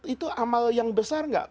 itu amal yang besar nggak